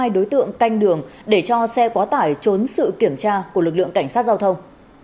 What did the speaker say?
hai đối tượng canh đường để cho xe quá tải trốn sự kiểm tra của lực lượng cảnh sát giao thông